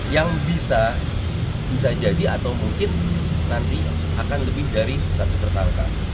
yang bisa bisa jadi atau mungkin nanti akan lebih dari satu tersangka